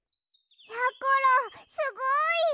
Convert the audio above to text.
やころすごい！